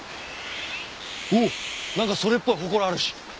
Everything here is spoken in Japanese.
おっなんかそれっぽい祠あるし！